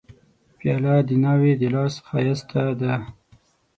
پیاله د ناوې د لاس ښایسته ده.